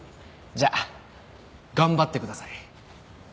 じゃ頑張ってください。